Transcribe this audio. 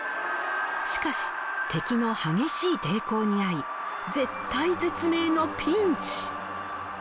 しかし敵の激しい抵抗に遭い絶体絶命のピンチ！